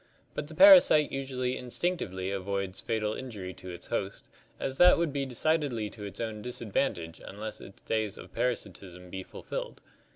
But the para site usually instinctively avoids fatal injury to its host, as that would be decidedly to its own disadvantage unless its days of parasitism be fulfilled.